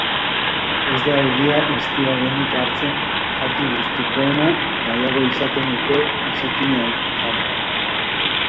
Ez da egia eztia denik hartzen jaki gustukoena; nahiago izaten dute izokina jan.